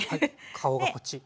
顔がこっち。